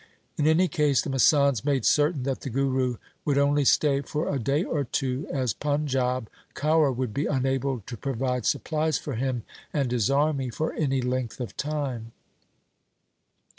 In any case the masands made certain that the Guru would only stay for a day or two, as Panjab Kaur would be unable to provide supplies for him and his army for any length of time.